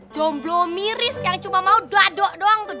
jomblo miris yang cuma mau gadok doang tuh